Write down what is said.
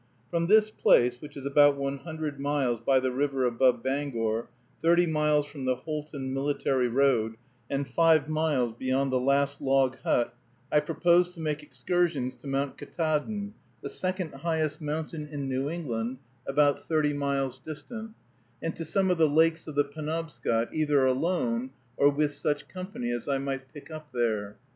From this place, which is about one hundred miles by the river above Bangor, thirty miles from the Houlton military road, and five miles beyond the last log hut, I proposed to make excursions to Mount Ktaadn, the second highest mountain in New England, about thirty miles distant, and to some of the lakes of the Penobscot, either alone or with such company as I might pick up there.